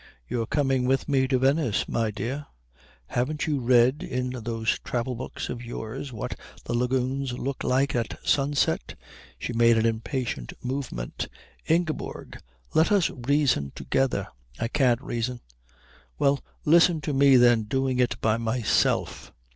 You're coming with me to Venice, my dear. Haven't you read in those travel books of yours what the lagoons look like at sunset?" She made an impatient movement. "Ingeborg, let us reason together." "I can't reason." "Well, listen to me then doing it by myself."